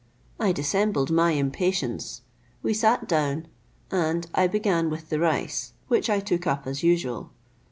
I dissembled my impatience, we sat down, and I began with the rice, which I took up as usual.